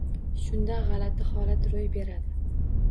Shunda g’alati holat ro’y beradi.